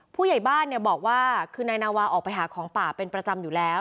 ผู้ใหญ่บ้านเนี่ยบอกว่าคือนายนาวาออกไปหาของป่าเป็นประจำอยู่แล้ว